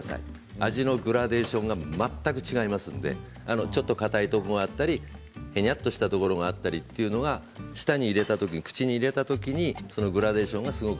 味のグラデーションが全く違いますんでちょっとかたいところがあったりへにゃっとしたところがあったりというのが舌に、口に入れたときにそのグラデーションがすごく